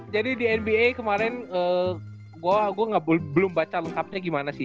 jadi di nba kemaren gue belum baca lengkapnya gimana sih